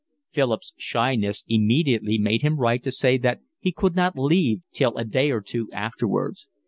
Philip's shyness immediately made him write to say that he could not leave till a day or two afterwards.